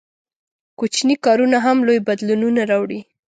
• کوچني کارونه هم لوی بدلونونه راوړي.